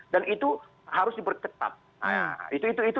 dan itu harus diberketat